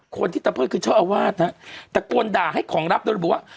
คนที่เตะเพิ่มคือเจ้าอาวาสนะแต่กวนด่าให้ของรับโดยบูรณ์ว่า